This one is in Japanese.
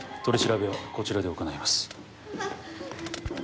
取り調べはこちらで行います。